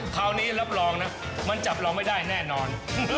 คราวนี้รับรองนะมันจับเราไม่ได้แน่นอน